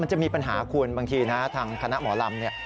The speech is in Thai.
มันจะมีปัญหาคุณบางทีทางคณะหมอลำ